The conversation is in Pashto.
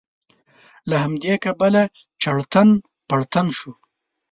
له همدې کبله چړتن پړتن شو.